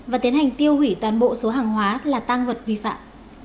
và tiến hành tiêu hủy toàn bộ số hàng hóa là tăng vật vi phạm